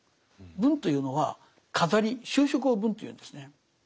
文というのは飾り修飾を「文」というんですね。